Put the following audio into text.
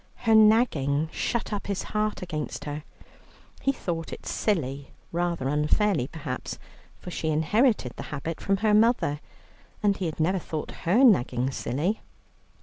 Her nagging shut up his heart against her. He thought it silly, rather unfairly, perhaps, for she inherited the habit from her mother, and he had never thought her nagging silly.